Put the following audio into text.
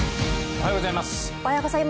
おはようございます。